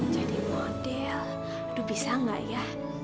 jadi model aduh bisa gak ya